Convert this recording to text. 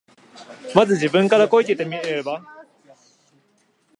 まず自分から声かけてみれば。